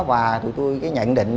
và tụi tôi nhận định